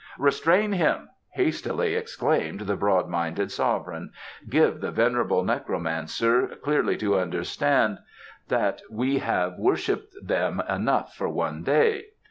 "Restrain him!" hastily exclaimed the broadminded Sovereign. "Give the venerable necromancer clearly to understand that we have worshipped them enough for one day.